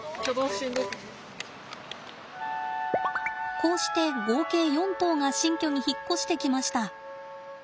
こうして合計４頭が新居に引っ越してきました。